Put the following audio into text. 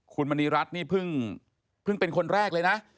คุณมณีรัฐนี่เพิ่งเป็นคนแรกเลยนะ